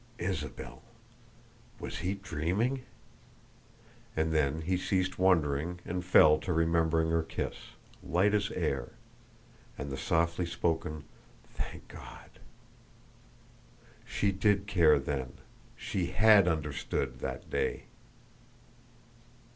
Isabel! Was he dreaming? And then he ceased wondering and fell to remembering her kiss light as air and the softly spoken "Thank God!" She did care, then! She had understood, that day!